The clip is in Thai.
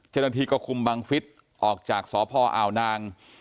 เจ้าหน้าที่ก็คุมบังฟิศออกจากสพอ่าวนาง